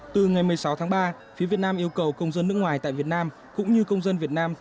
từ ngày một mươi sáu tháng ba phía việt nam yêu cầu công dân nước ngoài tại việt nam cũng như công dân việt nam